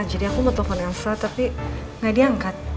jadi aku mau telepon elsa tapi gak diangkat